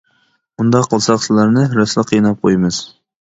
ئۇنداق قىلساق سىلەرنى راستلا قىيناپ قويىمىز.